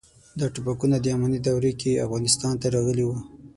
دا ټوپکونه د اماني دورې کې افغانستان ته راغلي وو.